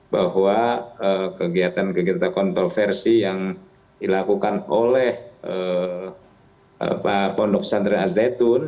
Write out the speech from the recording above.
bahwa kegiatan kegiatan kontroversi yang dilakukan oleh pak pondok sandri azayatun